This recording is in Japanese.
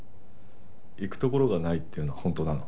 行く所がないっていうのは本当なの？